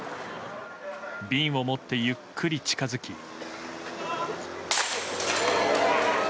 瓶を持ってゆっくり近づき。